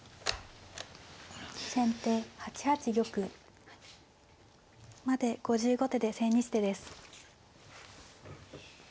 先手８八玉。まで５５手で千日手です。